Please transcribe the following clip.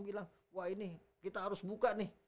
bilang wah ini kita harus buka nih